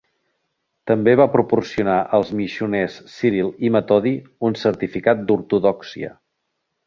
També va proporcionar als missioners Ciril i Metodi un certificat d'ortodòxia.